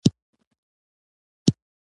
د حج نه د تسبیح او اوبو راوړل دود دی.